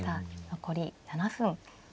残り７分。